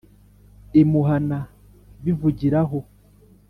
imuhana bivugiraho.